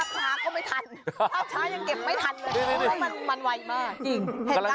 ภาพช้าก็ไม่ทันภาพช้ายังเก็บไม่ทัน